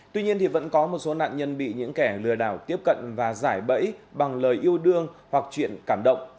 tuy nhiên vẫn có một số nạn nhân bị những kẻ lừa đảo tiếp cận và giải bẫy bằng lời yêu đương hoặc chuyện cảm động